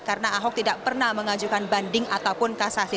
karena ahok tidak pernah mengajukan banding ataupun kasasi